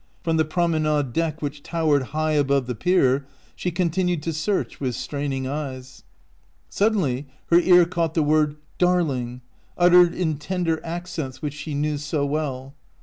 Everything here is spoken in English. From the promenade deck which towered high above the pier she continued to search with straining eyes. Suddenly her ear caught the word " Dar ling," uttered in tender accents which she 235 OUT OF BOHEMIA knew so well.